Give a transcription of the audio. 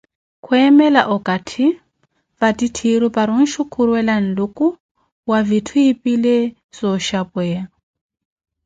Khweemela okathi vattitthiru para onxukhurela nluku mwa vitthu epile zooxhapweya.